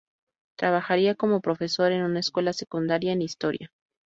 Trabajaría como profesor en una escuela secundaria en historia.